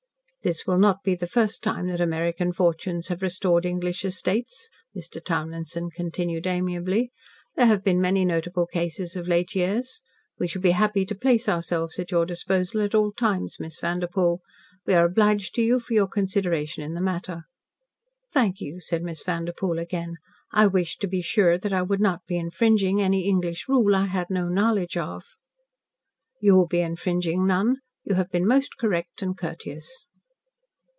"This will not be the first time that American fortunes have restored English estates," Mr. Townlinson continued amiably. "There have been many notable cases of late years. We shall be happy to place ourselves at your disposal at all times, Miss Vanderpoel. We are obliged to you for your consideration in the matter." "Thank you," said Miss Vanderpoel again. "I wished to be sure that I should not be infringing any English rule I had no knowledge of." "You will be infringing none. You have been most correct and courteous."